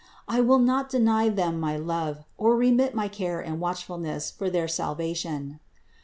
I will not deny them my love, or remit my care and watchfulness for their salvation.